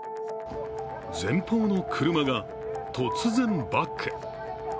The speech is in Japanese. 前方の車が、突然バック。